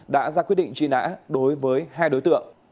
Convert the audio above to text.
đã ra quyết định truy nã đối với hai đối tượng